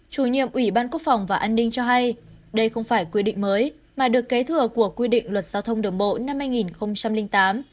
chủ nhiệm ủy ban quốc phòng và an ninh cho hay đây không phải quy định mới mà được kế thừa của quy định luật giao thông đường bộ năm hai nghìn tám